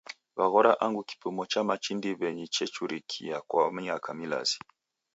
Waghora angu kipimo cha machi ndiw'enyi chechurikia kwa miaka milazi